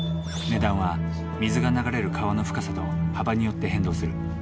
値段は水が流れる川の深さと幅によって変動する。